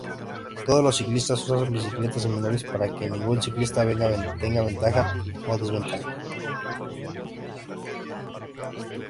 Todos los ciclistas usan bicicletas similares, para que ningún ciclista tenga ventaja o desventaja.